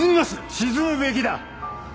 沈むべきだ！